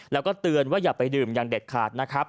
แล้วก็เตือนว่าอย่าไปดื่มอย่างเด็ดขาดนะครับ